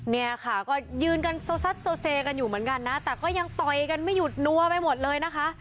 เนี่ยค่ะก็ยืนกันโซซัดโซเซกันอยู่เหมือนกันนะแต่ก็ยังต่อยกันไม่หยุดนัวไปหมดเลยนะคะ